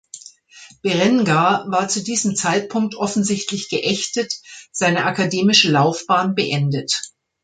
Berengar war zu diesem Zeitpunkt offensichtlich geächtet, seine akademische Laufbahn beendet.